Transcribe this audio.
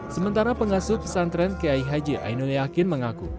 sementara pengasuh pesantren kiai haji ainul yakin mengaku